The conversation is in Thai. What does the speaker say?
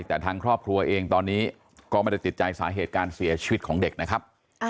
แต่ทางครอบครัวเองตอนนี้ก็ไม่ได้ติดใจสาเหตุการเสียชีวิตของเด็กนะครับ